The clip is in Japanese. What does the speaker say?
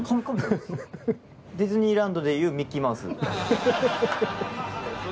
ディズニーランドで言うミッキーマウス。